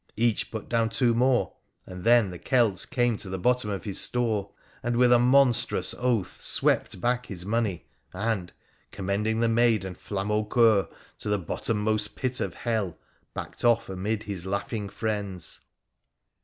Each put down two more, and then the Celt came to the bottom of PUR A THE PHCENICIAN 177 his store, and, with a monstrous oath, swept back his money, and, commending the maid and Flamaucoeur to the bottom most pit of hell, backed off amid his laughing friends.